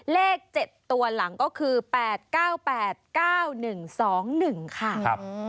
เลข๗ตัวหลังก็คือ๘๙๘๙๑๒๑ค่ะ